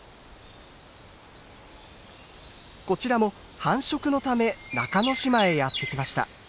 こちらも繁殖のため中之島へやって来ました。